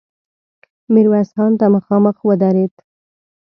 ميرويس خان ته مخامخ ودرېد.